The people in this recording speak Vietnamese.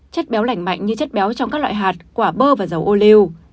chất béo lảnh mạnh như chất béo trong các loại hạt quả bơ và dầu ô liu